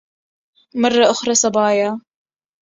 مرة أُخرى سبايا!